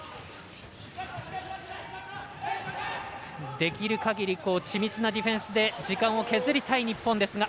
できるかぎり緻密なディフェンスで時間を削りたい日本。